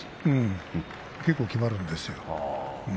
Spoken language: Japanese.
結構、決まるんですよ。